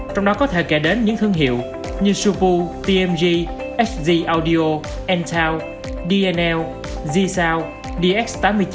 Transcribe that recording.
trong đó có thể kể đến những thương hiệu như supoo tmg fz audio entau dnl z sound dx tám mươi chín